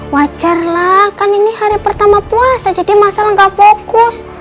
wajarlah kan ini hari pertama puasa jadi masal gak fokus